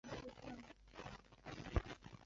位于该镇西南部。